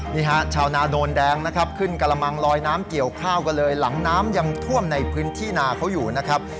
นี่ฮะชาวนาโนนแดงนะครับขึ้นกระมังลอยน้ำเกี่ยวข้าวกันเลยหลังน้ำยังท่วมในพื้นที่นาเขาอยู่นะครับ